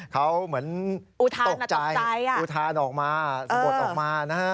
เขาเหมือนตกใจอุทานออกมาสะบดออกมานะฮะ